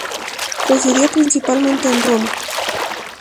Residió principalmente en Roma.